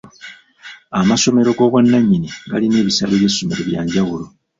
Amasomero g'obwannannyini galina ebisale by'essomero bya njawulo.